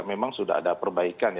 memang sudah ada perbaikan